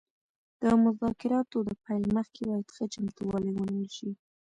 د مذاکراتو د پیل مخکې باید ښه چمتووالی ونیول شي